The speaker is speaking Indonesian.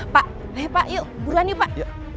pak ayo buruan ya pak